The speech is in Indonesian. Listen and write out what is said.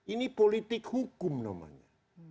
ini politik hukum namanya